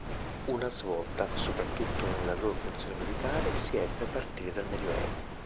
Una svolta, soprattutto nella loro funzione militare, si ebbe a partire dal Medioevo.